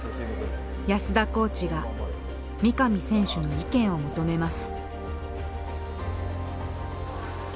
安田コーチが三上選手の意見を求めます。